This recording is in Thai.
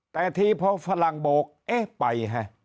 แต่ทีเพราะฝรั่งโบกเอ๊ะไป